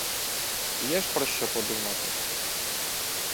Є ж про що подумати